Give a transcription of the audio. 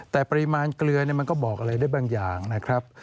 แต่ปริมาณเกลือมันก็บอกอะไรได้บางอย่างนะครับ